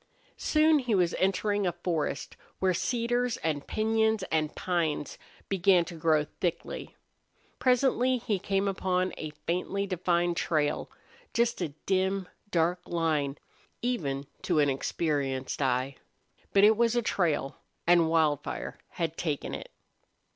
Soon he was entering a forest where cedars and piñons and pines began to grow thickly. Presently he came upon a faintly defined trail, just a dim, dark line even to an experienced eye. But it was a trail, and Wildfire had taken it.